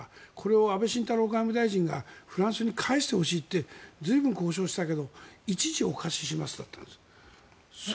これを安倍晋太郎外務大臣がフランスに返してほしいってずいぶん交渉したけど一時、お貸ししますだったんですよ。